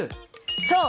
そう！